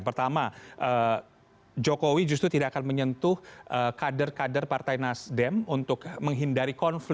pertama jokowi justru tidak akan menyentuh kader kader partai nasdem untuk menghindari konflik